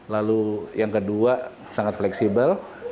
lalu yang kedua sangat fleksibel